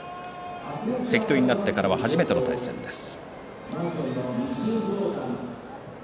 関取になってからは初めての対戦です。